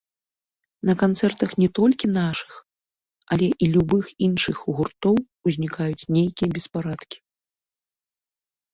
На канцэртах не толькі нашых, але і любых іншых гуртоў узнікаюць нейкія беспарадкі.